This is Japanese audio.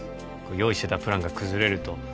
用意してたプランが崩れると